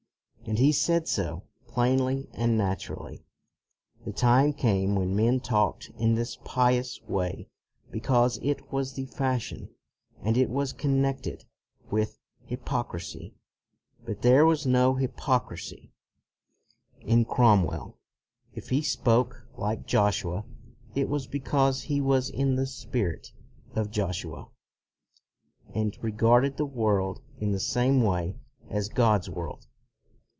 And he said so, plainly and naturally. The time came when men talked in this pious way because it was the fashion, and it was connected with hypoc CROMWELL 237 risy, but there was no hypocrisy in Crom well. If he spoke like Joshua it was be cause he was in the spirit of Joshua, and regarded the world in the same way as God's world.